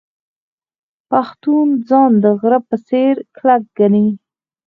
پښتون ځان د غره په څیر کلک ګڼي.